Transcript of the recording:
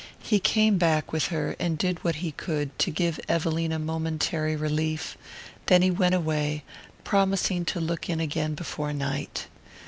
He came back with her and did what he could to give Evelina momentary relief; then he went away, promising to look in again before night.